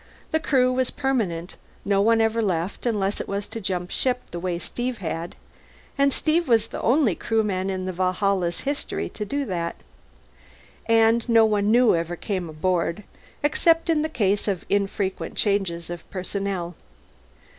The Crew was permanent; no one ever left, unless it was to jump ship the way Steve had and Steve was the only Crewman in the Valhalla's history to do that. And no one new ever came aboard, except in the case of the infrequent changes of personnel.